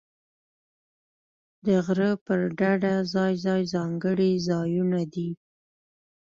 د غره پر ډډه ځای ځای ځانګړي ځایونه دي.